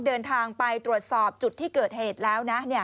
เดินทางไปตรวจสอบจุดที่เกิดเหตุแล้วนะ